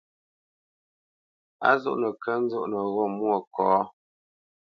Á zoʼnə kə̂ nzóʼnə wô Mwôkɔ̌?